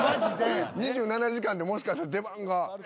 『２７時間』でもしかしたら出番が。